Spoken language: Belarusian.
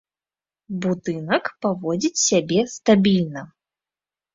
Будынак паводзіць сябе стабільна.